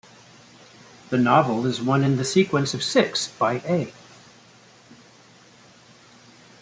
The novel is one in the sequence of six by A.